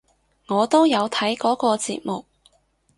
我都有睇嗰個節目！